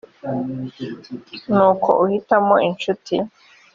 n uko uhitamo incuti